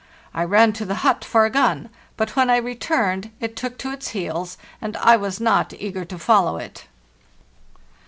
I ran to the hut for a gun, but when I returned it took to its heels, and I was not eager to follow it.